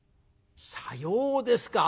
「さようですか。